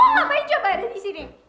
ngapain coba ada disini